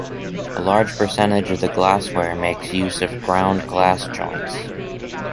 A large percentage of the glassware makes use of ground glass joints.